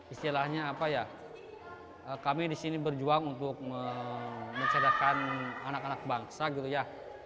istilahnya apa ya kami di sini berjuang untuk menceritakan anak anak bangsa gitu ya